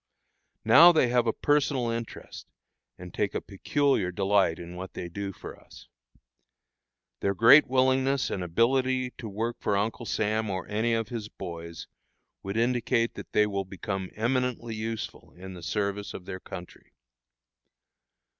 Now they have a personal interest, and take a peculiar delight in what they do for us. Their great willingness and ability to work for Uncle Sam or any of his boys, would indicate that they will become eminently useful in the service of their country.